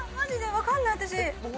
わかんない私。